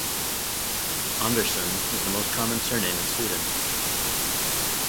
"Andersson" is the most common surname in Sweden.